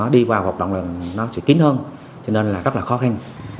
đi vào hoạt động là nó sẽ kín hơn cho nên là rất là khó khăn